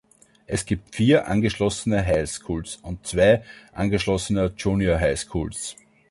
Es gibt vier angeschlossene High Schools und zwei angeschlossene Junior High Schools.